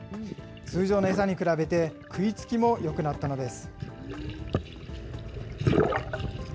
通常の餌に比べて、食いつきもよくなったのです。